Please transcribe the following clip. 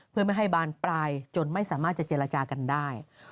เพื่อไม่ให้บานปลายจนไม่สามารถจะเจรจากันได้